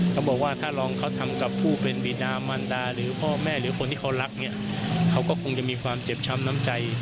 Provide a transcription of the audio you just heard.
เขาบอกว่าถ้าลองเขาทำกับผู้เป็นบีดามันดาหรือพ่อแม่หรือคนที่เขารักเนี่ยเขาก็คงจะมีความเจ็บช้ำน้ำใจ